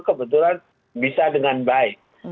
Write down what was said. kebetulan bisa dengan baik